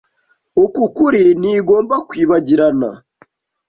Uku kuri ntigomba kwibagirana.